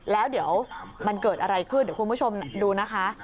แล้วเดี๋ยวมันเกิดอะไรขึ้นเดี๋ยวคุณผู้ชมดูนะคะ